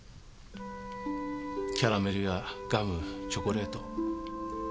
キャラメルやガムチョコレート。